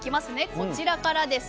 こちらからです。